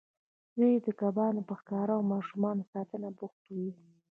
دوی د کبانو په ښکار او ماشومانو په ساتنه بوختې وې.